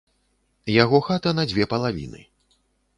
Яго хата на дзве палавіны.